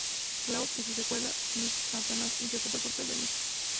Clause" y su secuela "Meet the Santas" interpretó el papel de Nick.